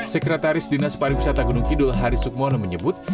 sekretaris dinas pariwisata gunung kidul hari sukmono menyebut